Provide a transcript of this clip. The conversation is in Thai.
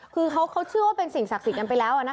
คือเขาเชื่อว่าเป็นสิ่งศักดิ์สิทธิ์กันไปแล้วนะคะ